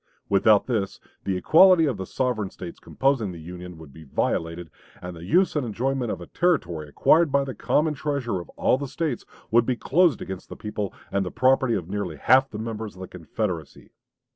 Without this, the equality of the sovereign States composing the Union would be violated, and the use and enjoyment of a territory acquired by the common treasure of all the States would be closed against the people and the property of nearly half the members of the Confederacy.